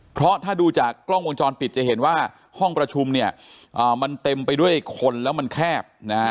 เพราะถ้าดูจากกล้องวงจรปิดจะเห็นว่าห้องประชุมเนี่ยมันเต็มไปด้วยคนแล้วมันแคบนะฮะ